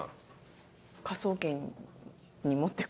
『科捜研』に持ってく。